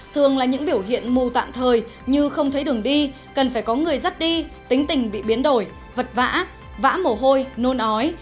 thường là những biểu hiện mù tạm thời như không thấy đường đi cần phải có người dắt đi tính tình bị biến đổi vật vã vã mồ hôi nôn ói